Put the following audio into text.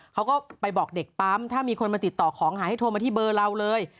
เขาก็ไปบอกเด็กปั๊มถ้ามีคนมาติดต่อของหายให้โทรมาที่เบอร์เราเลย